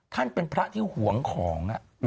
ท่านเป็นพระที่หวงของ